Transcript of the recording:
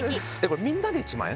みんなで１万円？